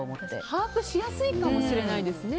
把握しやすいかもしれないですね。